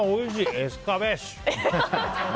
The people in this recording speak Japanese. エスカベッシュ！